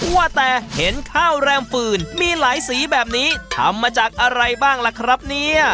ว่าแต่เห็นข้าวแรมฟืนมีหลายสีแบบนี้ทำมาจากอะไรบ้างล่ะครับเนี่ย